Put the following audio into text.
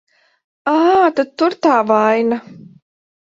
Ā, tad tur tā vaina.